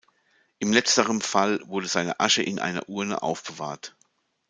In letzterem Fall wurde seine Asche in einer Urne aufbewahrt.